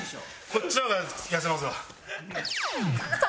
こっちの方が痩せますわ。